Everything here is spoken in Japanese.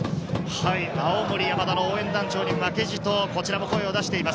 青森山田の応援団長に負けじと、こちらも声を出しています。